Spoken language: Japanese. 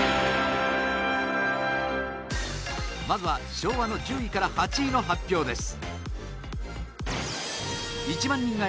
まずは、昭和の１０位から８位の発表です